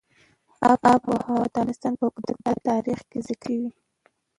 آب وهوا د افغانستان په اوږده تاریخ کې ذکر شوې ده.